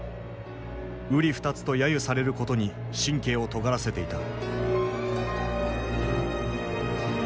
うり二つと揶揄されることに神経をとがらせていた。